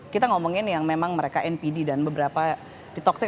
kita ngomongin yang memang mereka npd dan beberapa di toxic